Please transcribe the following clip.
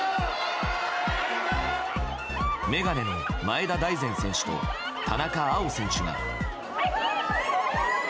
眼鏡の前田大然選手と田中碧選手が。